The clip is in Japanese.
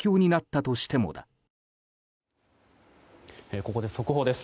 ここで速報です。